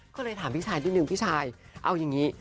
ก็เลยถามพี่ชายนิดนึงพี่ชายเอาอย่างนี้